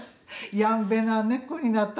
やんべな姉っこになった。